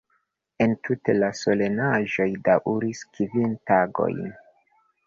Entute la solenaĵoj daŭris kvin tagojn.